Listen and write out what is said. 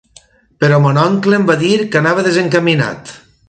Però mon oncle em va dir que anava desencaminat.